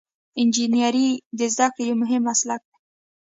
انجنیری د زده کړې یو مهم مسلک دی.